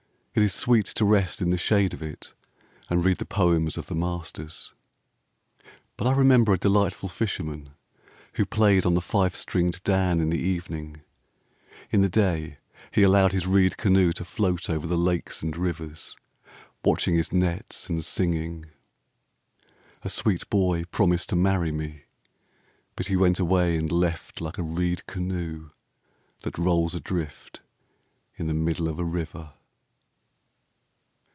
It is sweet to rest in the shade of it And read the poems of the masters. But I remember a delightful fisherman Who played on the five stringed dan in the evening. In the day he allowed his reed canoe to float Over the lakes and rivers, Watching his nets and singing. A sweet boy promised to marry me, But he went away and left Like a reed canoe that rolls adrift In the middle of a river.